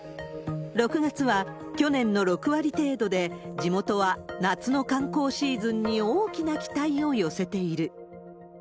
６月は去年の６割程度で、地元は夏の観光シーズンに大きな期待を寄せている。